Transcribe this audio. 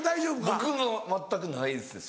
僕は全くないですね。